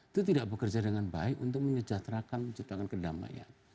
itu tidak bekerja dengan baik untuk menyejahterakan menciptakan kedamaian